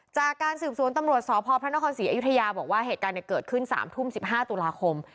จากการสืบสวนตำรวจสพพระนครศรีอยุธยาบอกว่าเหตุการณ์เกิดขึ้น๓ทุ่ม๑๕ตุลาคม